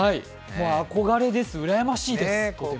憧れです、うらやましいですとても。